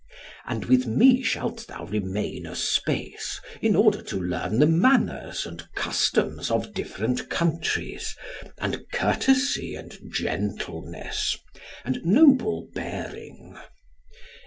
And with me shalt thou remain a space, in order to learn the manners and customs of different countries, and courtesy, and gentleness, and noble bearing.